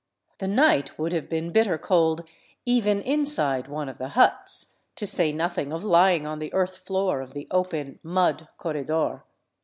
The night would have been bitter cold even inside one of the huts, to say nothing of lying on the earth floor of the open, mud corredor.